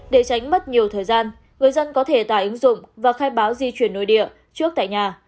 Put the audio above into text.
để tránh mất nhiều thời gian người dân có thể tải ứng dụng và khai báo di chuyển nội địa trước tại nhà